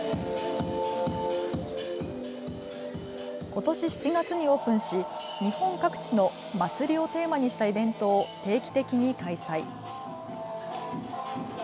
ことし７月にオープンし日本各地の祭りをテーマにしたイベントを定期的に開催。